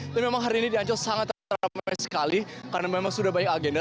tapi memang hari ini di ancol sangat ramai sekali karena memang sudah banyak agenda